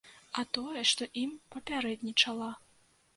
А тое, што ім папярэднічала.